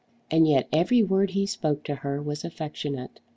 And yet every word he spoke to her was affectionate.